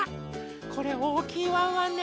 これおおきいワンワンね。